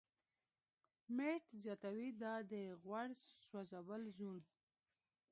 میرټ زیاتوي، دا د "غوړ سوځولو زون